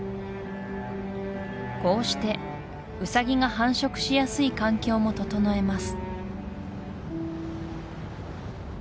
こうしてウサギが繁殖しやすい環境も整えます